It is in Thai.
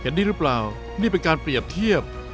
ดีหรือเปล่านี่เป็นการเปรียบเทียบ